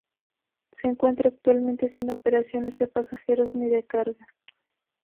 Se encuentra actualmente sin operaciones de pasajeros ni de cargas.